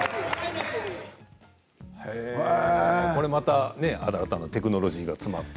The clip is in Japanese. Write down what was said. これまた新たなテクノロジーが詰まった。